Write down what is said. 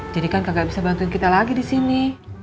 jadi kan gak bisa bantuin kita lagi disini